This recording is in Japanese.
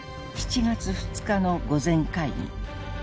７月２日の御前会議。